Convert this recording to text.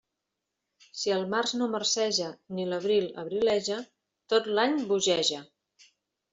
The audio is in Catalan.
Si el març no marceja, ni l'abril abrileja, tot l'any bogeja.